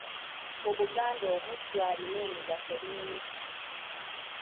Mu Buganda Omujjwa alina emigaso mingi.